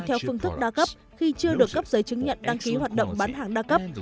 theo phương thức đa cấp khi chưa được cấp giấy chứng nhận đăng ký hoạt động bán hàng đa cấp